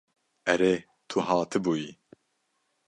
Erê tu hatibûyî.